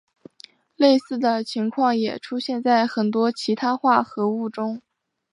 类似的情况也出现在很多其他化合物中。